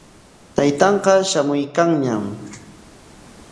Taytanqa shamuykanñam.